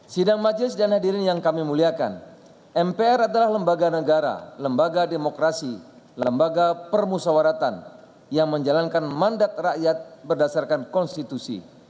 sidang majelis dan hadirin yang kami muliakan mpr adalah lembaga negara lembaga demokrasi lembaga permusawaratan yang menjalankan mandat rakyat berdasarkan konstitusi